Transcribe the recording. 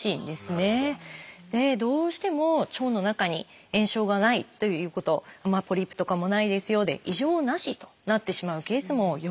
どうしても腸の中に炎症がないということポリープとかもないですよで異常なしとなってしまうケースもよくあります。